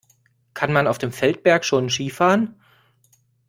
Kann man auf dem Feldberg schon Ski fahren?